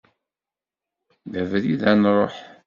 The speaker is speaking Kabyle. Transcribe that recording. D abrid ad nruḥ.